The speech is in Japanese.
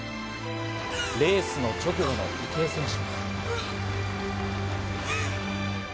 レース直後の池江選手。